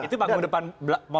itu maksudnya apa